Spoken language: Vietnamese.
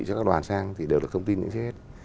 các đoàn sang thì đều được thông tin đến hết